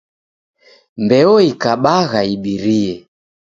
Mbeoikabagha ibirie!